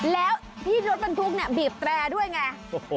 แล้วที่รถบรรทุกเนี่ยบีบแตรด้วยไง